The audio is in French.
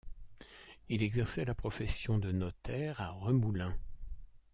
Il exerçait la profession de notaire à Remoulins.